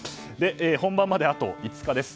本番まであと５日です。